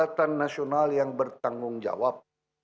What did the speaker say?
kauhp pemerintahan indonesia adalah perkembangan yang bertanggung jawab